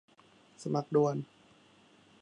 สมัครด่วน